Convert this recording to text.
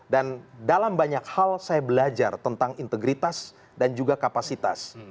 dan dalam banyak hal saya belajar tentang integritas dan juga kapasitas